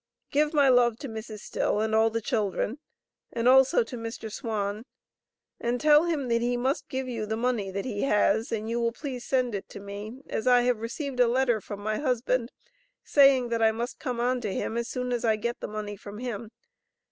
Give my love to Mrs. Still and all the children, and also to Mr. Swan, and tell him that he must give you the money that he has, and you will please send it to me, as I have received a letter from my husband saying that I must come on to him as soon as I get the money from him.